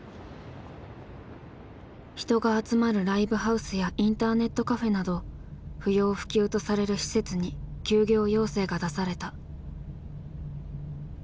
人が集まるライブハウスやインターネットカフェなど不要不急とされる施設に休業要請が出された。